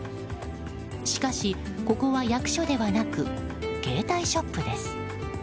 しかし、ここは役所ではなく携帯ショップです。